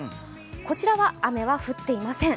こちらは雨は降っていません。